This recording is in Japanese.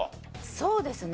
そうですね。